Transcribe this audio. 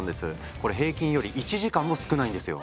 これ平均より１時間も少ないんですよ。